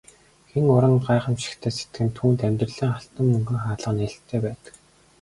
Хэн уран гайхамшигтай сэтгэнэ түүнд амьдралын алтан мөнгөн хаалга нээлттэй байдаг.